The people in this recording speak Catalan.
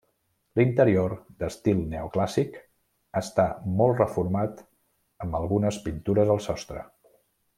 L'interior, d'estil neoclàssic, està molt reformat amb algunes pintures al sostre.